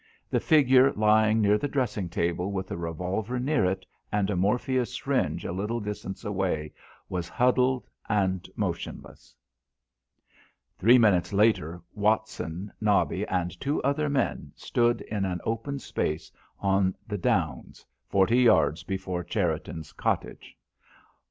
The figure lying near the dressing table with a revolver near it, and a morphia syringe a little distance away, was huddled and motionless. Three minutes later, Watson, Nobby and two other men stood in an open space on the downs, forty yards before Cherriton's cottage.